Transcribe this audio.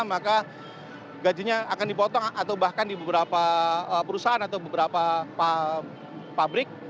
maka gajinya akan dipotong atau bahkan di beberapa perusahaan atau beberapa pabrik